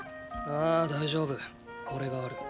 ああ大丈夫これがある。